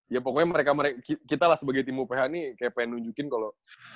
ya pokoknya kita lah sebagai tim uph nih kayak pengen nunjukin kalo